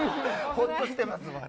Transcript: ほっとしてます。